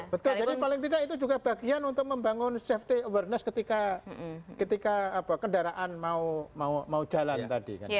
betul jadi paling tidak itu juga bagian untuk membangun safety awareness ketika kendaraan mau jalan tadi kan